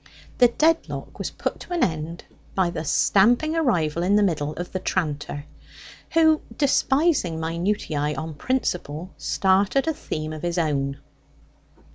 The dead lock was put an end to by the stamping arrival up the middle of the tranter, who, despising minutiae on principle, started a theme of his own.